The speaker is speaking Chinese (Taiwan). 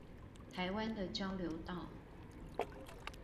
台灣的交流道